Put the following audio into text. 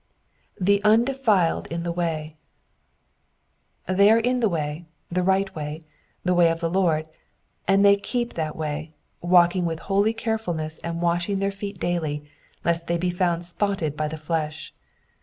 2%^ undefiled in the way^ They are in the way, the right way, the way of the Lord, and they keep that way, walking with holy carefulness and washing their feet daily, lest they be found spotted by the fiesh.